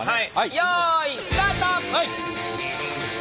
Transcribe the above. よいスタート！